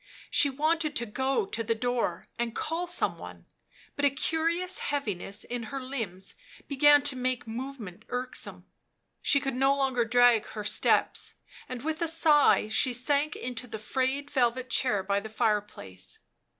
She wanted to go to the door and call some one, but a curious heaviness in her limbs began to make movement irksome ; she could no longer drag her steps, and with a sigh she sank into the frayed velvet chair by the fireplace.